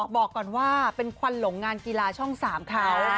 บอกก่อนว่าเป็นควันหลงงานกีฬาช่อง๓เขา